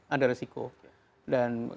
ada resiko dan